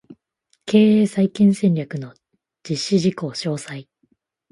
経営再建戦略の実施事項詳細